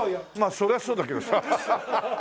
そりゃそうだけどさハハハッ。